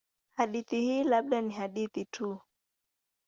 Hadithi hii labda ni hadithi tu.